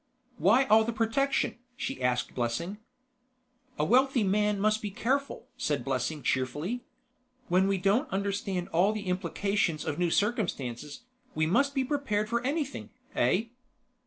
"Why all the protection?" she asked Blessing. "A wealthy man must be careful," said Blessing cheerfully. "When we don't understand all the implications of new circumstances, we must be prepared for anything, eh?"